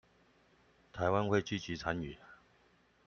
臺灣會積極參與